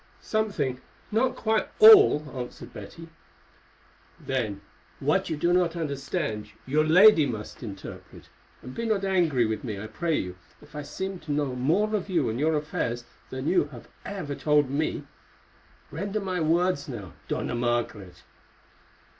"Something, not quite all," answered Betty. "Then what you do not understand your lady must interpret, and be not angry with me, I pray you, if I seem to know more of you and your affairs than you have ever told me. Render my words now, Dona Margaret."